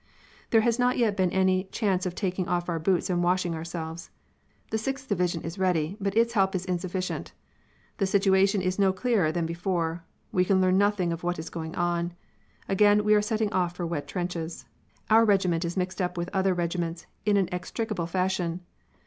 "There has not yet been any chance of taking off our boots and washing ourselves. The Sixth Division is ready, but its help is insufficient. The situation is no clearer than before; we can learn nothing of what is going on. Again we are setting off for wet trenches. Our regiment is mixed up with other regiments in an inextricable fashion.